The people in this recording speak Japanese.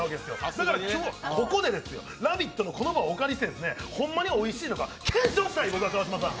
だから今日ここで「ラヴィット！」のこの場をお借りしてホンマにおいしいのか検証したい、川島さん！